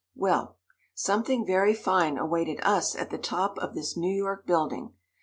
Well, something very fine awaited us at the top of this New York building.